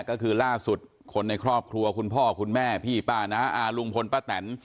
ก็คือล่าสุดคนในครอบครัวคุณพ่อคุณแม่พี่ป้าน้าอาลุงพลป้าแตน